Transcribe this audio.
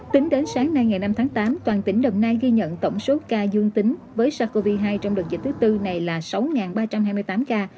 tính đến sáng nay ngày năm tháng tám toàn tỉnh đồng nai ghi nhận tổng số ca dương tính với sars cov hai trong đợt dịch thứ tư này là sáu ba trăm hai mươi tám ca